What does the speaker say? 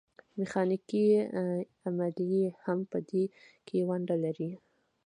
میخانیکي عملیې هم په دې کې ونډه لري.